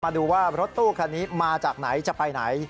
มาดูว่ารถตู้คันนี้มาจากไหนจะไปไหน